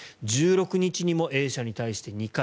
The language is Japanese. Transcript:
１６日にもＡ社に対して２回。